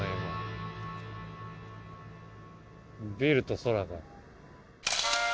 ビルと空が。